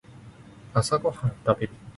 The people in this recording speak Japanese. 朝ごはんを食べる